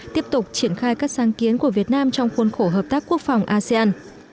tiếp tục triển khai các sáng kiến của việt nam trong khuôn khổ hợp tác quốc phòng asean